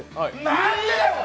何でだよ！